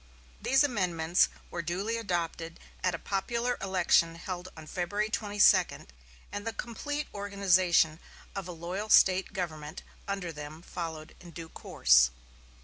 These amendments were duly adopted at a popular election held on February 22, and the complete organization of a loyal State government under them followed in due course.